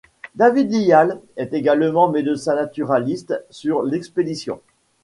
David Lyall est également médecin-naturaliste sur l'expédition.